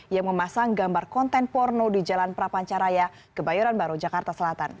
yang memasang gambar konten porno di jalan prapancaraya kebayoran baru jakarta selatan